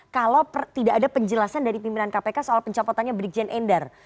kalau tidak ada penjelasan dari pimpinan kpk soal pencopotannya brigjen endar